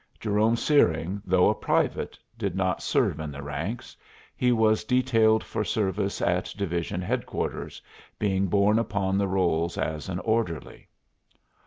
Jerome Searing, though a private, did not serve in the ranks; he was detailed for service at division headquarters, being borne upon the rolls as an orderly.